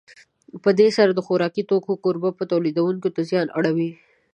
په دې سره د خوراکي توکو کوربه تولیدوونکو ته زیان اړوي.